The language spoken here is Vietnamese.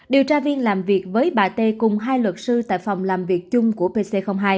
điều tra viên làm việc với bà t cùng hai luật sư tại phòng làm việc chung của pc hai